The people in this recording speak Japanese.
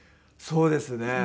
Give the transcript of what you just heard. そうですね。